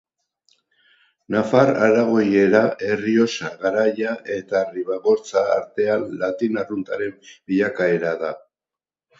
Nafar-aragoiera Errioxa Garaia eta Ribagortza artean latin arruntaren bilakaera da.